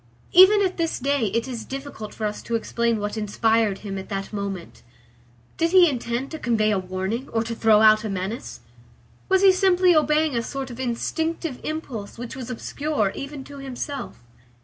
Even at this day it is difficult for us to explain what inspired him at that moment. Did he intend to convey a warning or to throw out a menace? Was he simply obeying a sort of instinctive impulse which was obscure even to himself?